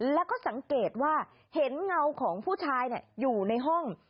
แล้วก็สังเกตว่าเห็นเงาของผู้ชายอยู่ในห้อง